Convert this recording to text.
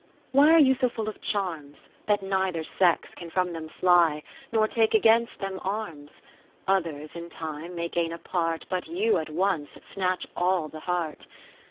why Are you so full of charms, That neither sex can from them fly, Nor take against them arms ? Others in time may gain a part, But you at once snatch all the heart.